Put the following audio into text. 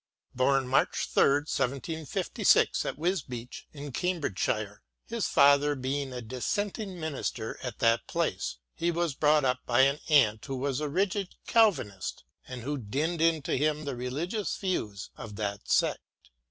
Born March 3, 1756, at Wisbeach, in Cam bridgeshire, his father being a Dissenting minister at that place, he was brought up by an aunt who was a rigid Calvinist and who dinned into him the religious views of that sect.